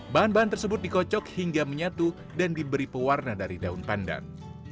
bahan bahan tersebut dikocok hingga menyatu dan diberi pewarna dari daun pandan